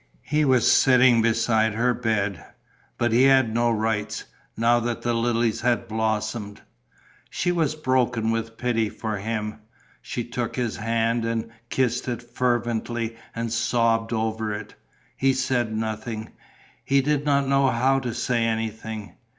He was sitting beside her bed, but he had no rights, now that the lilies had blossomed.... She was broken with pity for him. She took his hand and kissed it fervently and sobbed over it. He said nothing. He did not know how to say anything.